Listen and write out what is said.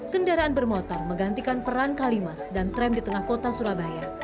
kendaraan bermotor menggantikan peran kalimas dan tram di tengah kota surabaya